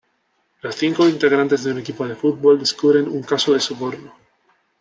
Los cinco integrantes de un equipo de fútbol descubren un caso de soborno.